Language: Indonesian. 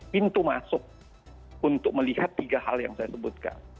pintu masuk untuk melihat tiga hal yang saya sebutkan